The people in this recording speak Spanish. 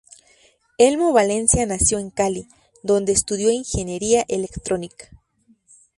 Elmo Valencia nació en Cali, donde estudió ingeniería electrónica.